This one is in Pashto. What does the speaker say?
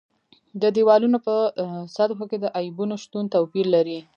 د دېوالونو په سطحو کې د عیبونو شتون توپیر لري.